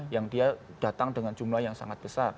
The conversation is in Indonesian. yang dia datang dengan jumlah yang sangat besar